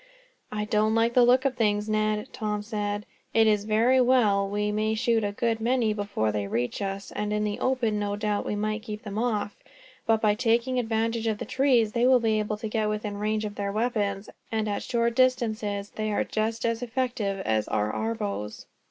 "I don't like the look of things, Ned," Tom said. "It is all very well. We may shoot a good many before they reach us, and in the open no doubt we might keep them off. But by taking advantage of the trees, they will be able to get within range of their weapons; and at short distances, they are just as effective as are our bows."